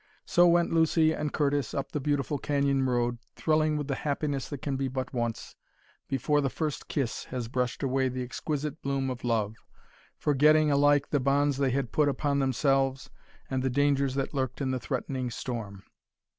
So went Lucy and Curtis up the beautiful canyon road, thrilling with the happiness that can be but once, before the first kiss has brushed away the exquisite bloom of love, forgetting alike the bonds they had put upon themselves and the dangers that lurked in the threatening storm.